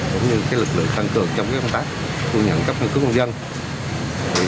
cũng như lực lượng tăng cường trong công tác thu nhận cấp căn cước công dân